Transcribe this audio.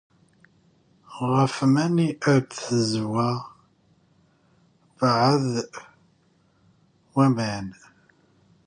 Ɣel mani ad neẓwa beɛd wammen?